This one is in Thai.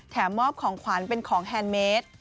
มอบของขวัญเป็นของแฮนด์เมด